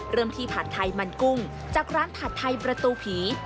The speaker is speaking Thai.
เริ่มที่ผัดไทยมันกุ้งจากร้านผัดไทยประตูผี